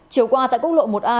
chiều qua tại quốc lộ một a